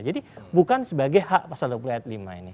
jadi bukan sebagai hak pasal dua puluh ayat lima ini